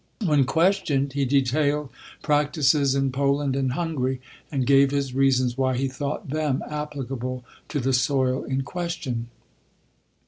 When questioned, he detailed practices in Poland and Hungary, and gave his reasons why he thought them appli cable to the soil in question.